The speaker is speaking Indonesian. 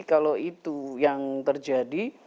kalau itu yang terjadi